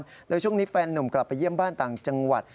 โดยช่วงนี้แฟนหนุ่มกลับไปเยี่ยมบ้านต่างจังหวัด